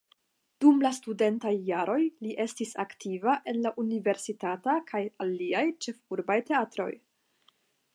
Dum la studentaj jaroj li estis aktiva en la universitata kaj aliaj ĉefurbaj teatroj.